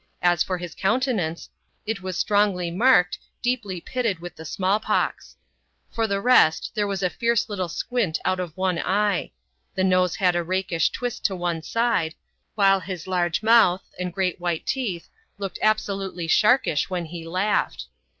As for his countenance, it was strongly marked, deeply pitted with the small pox. For the rest, there was a fierce little squint out of one eye ; the nose had a rakish twist to one side ; while his large mouth, and great white teeth, looked absolutely sharkish when he laughed.